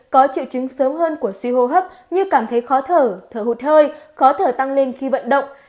có triệu chứng sớm hơn của suy hô hấp như cảm thấy khó thở thở hụt hơi khó thở tăng lên khi vận động